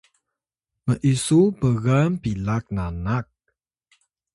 m’isu pgan pila nanak